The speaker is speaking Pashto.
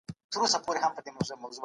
هغه د مطالعې دا امتزاج تر پایه ساتلی و.